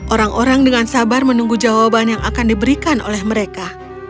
orang orang dengan sabar menunggu jawaban yang akan diberikan oleh mereka